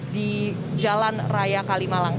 di jalan raya kalimalang